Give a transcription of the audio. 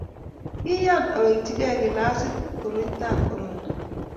kiyaan awekchigei kilasit koroitab korona